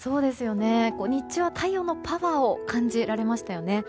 日中は太陽のパワーを感じられましたよね。